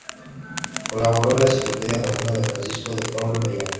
Colaboró en la "Enciclopedia moderna" de Francisco de Paula Mellado.